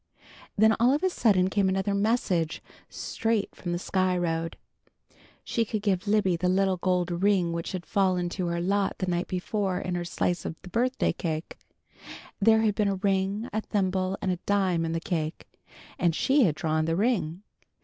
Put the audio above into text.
Then, all of a sudden came another message, straight from the Sky Road! She could give Libby the little gold ring which had fallen to her lot the night before in her slice of the birthday cake. There had been a ring, a thimble and a dime in the cake, and she had drawn the ring.